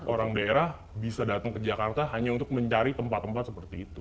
orang daerah bisa datang ke jakarta hanya untuk mencari tempat tempat seperti itu